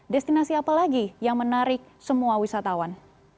destinasi apa lagi yang menarik semua wisatawan